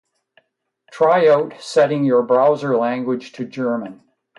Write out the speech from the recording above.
Try out setting your browser language to German